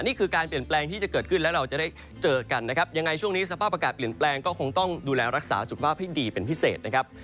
นี่คือการเปลี่ยนแปลงที่จะเกิดขึ้นแล้วเราจะได้เจอกันนะครับยังไงช่วงนี้สภาพอากาศเปลี่ยนแปลงก็คงต้องดูแลรักษาสุขภาพให้ดีเป็นพิเศษนะครับ